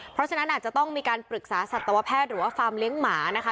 เพราะฉะนั้นอาจจะต้องมีการปรึกษาสัตวแพทย์หรือว่าฟาร์มเลี้ยงหมานะคะ